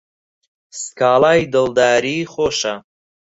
سکاڵای دڵداری خۆشە